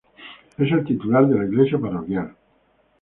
Es el titular de la iglesia parroquial.